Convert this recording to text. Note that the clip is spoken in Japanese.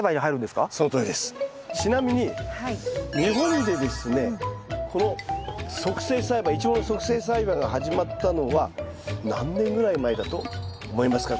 ちなみに日本でですねこの促成栽培イチゴの促成栽培が始まったのは何年ぐらい前だと思いますか？